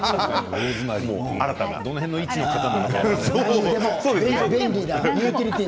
どの辺の位置の方なのかな？